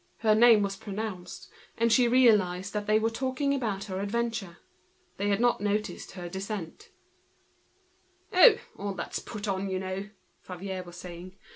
Her name was pronounced, and she felt that they were talking about her adventure. They had not noticed her. "Oh! all that's put on, you know," Favier was saying.